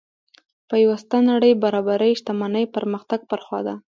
پیوسته نړۍ برابرۍ شتمنۍ پرمختګ پر خوا ده.